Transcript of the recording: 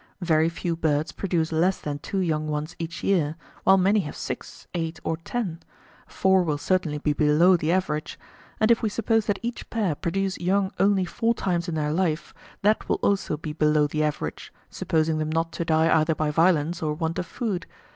Very few birds produce less than two young ones each year, while many have six, eight, or ten; four will certainly be below the average; and if we suppose that each pair produce young only four times in their life, that will also be below the average, supposing them not to die either by violence or want of food.